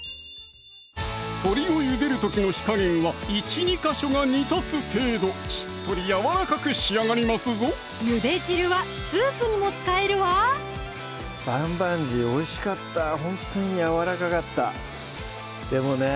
鶏をゆでる時の火加減は１２ヵ所が煮立つ程度しっとりやわらかく仕上がりますぞゆで汁はスープにも使えるわ「棒棒鶏」おいしかったほんとにやわらかかったでもね